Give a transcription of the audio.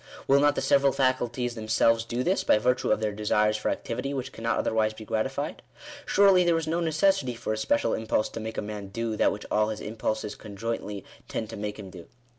Will not the several faculties them selves do this, by virtue of their desires for activity, which can not otherwise be gratified ? Surely there is no necessity for a special impulse to make a man do that which all his impulses conjointly tend to make him do.